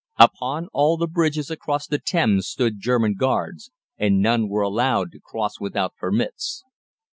Upon all the bridges across the Thames stood German guards, and none were allowed to cross without permits.